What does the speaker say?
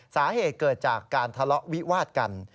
สาเหตุเกิดจากการทะเลาะวิวาดกัน